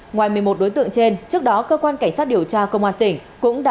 ngoài một mươi một đối tượng trên trước đó cơ quan cảnh sát điều tra công an tỉnh